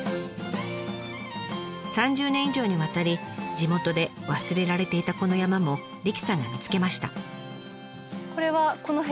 ３０年以上にわたり地元で忘れられていたこの山も理妃さんが見つけました。